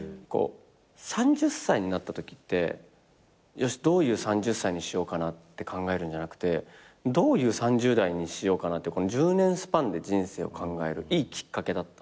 ３０歳になったときってよしどういう３０歳にしようかなって考えるんじゃなくてどういう３０代にしようかなって１０年スパンで人生を考えるいいきっかけだったんですね。